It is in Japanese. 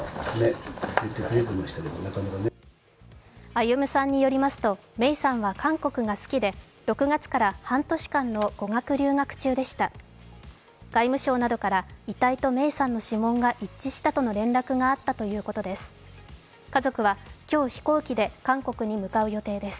歩さんによりますと芽生さんは韓国が好きで、６月から半年間の語学留学中でした外務省などから、遺体と芽生さんの指紋が一致したとの連絡があったということです。